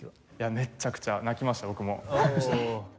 めちゃくちゃ泣きました僕も。